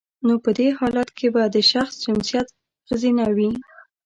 نو په دی حالت کې به د شخص جنسیت خځینه وي